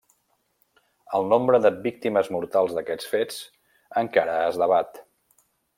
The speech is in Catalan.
El nombre de víctimes mortals d'aquests fets, encara es debat.